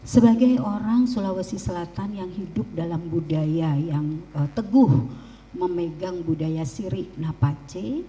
sebagai orang sulawesi selatan yang hidup dalam budaya yang teguh memegang budaya siri napace